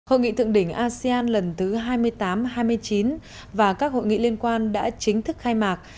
hội nghị thượng đỉnh asean lần thứ hai mươi tám hai mươi chín và các hội nghị liên quan đã chính thức khai mạc